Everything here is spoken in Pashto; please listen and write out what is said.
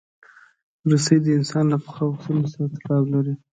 رسۍ د انسان له پخوا وختونو سره تړاو لري.